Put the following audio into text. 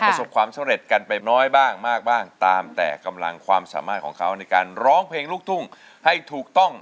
ประสบความสำเร็จกันไปน้อยบ้างมากบ้างตามแต่กำลังความสามารถของเขาในการร้องเพลงลูกทุ่งให้ถูกต้อง